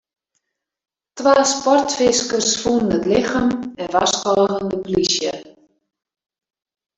Twa sportfiskers fûnen it lichem en warskôgen de polysje.